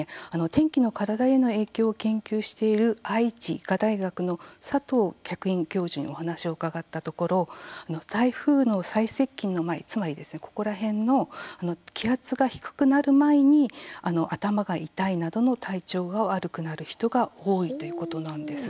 天気の体への影響を研究している愛知医科大学の佐藤客員教授にお話を伺ったところ台風の最接近の前、つまりここら辺の気圧が低くなる前に頭が痛いなどの体調が悪くなる人が多いということなんです。